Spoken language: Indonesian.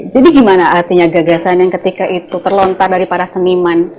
jadi gimana artinya gagasan yang ketika itu terlontar dari para seniman